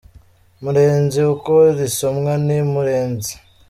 Murenzi , uko risomwa ni Mureenzî.